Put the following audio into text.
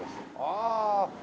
ああ。